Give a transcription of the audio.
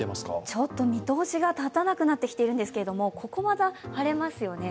ちょっと見通しが立たなくなってきてるんですけどここ、また晴れますよね。